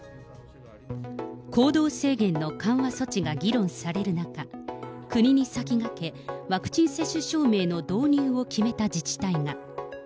行動制限の緩和措置が議論される中、国に先駆け、ワクチン接種証明の導入を決めた自治体が。